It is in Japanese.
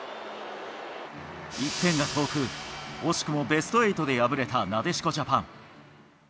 １点が遠く、惜しくもベスト８で敗れたなでしこジャパン。